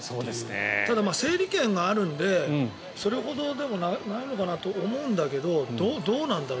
ただ、整理券があるのでそれほどでもないのかなと思うんだけどどうなんだろう。